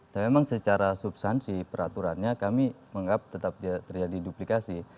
tapi memang secara substansi peraturannya kami menganggap tetap terjadi duplikasi